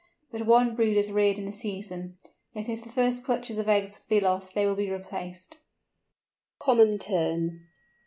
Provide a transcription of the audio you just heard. But one brood is reared in the season, yet if the first clutches of eggs be lost they will be replaced. COMMON TERN.